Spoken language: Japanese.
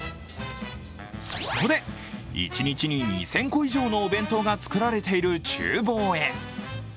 そこで、一日に２０００個以上のお弁当が作られているちゅう房へ。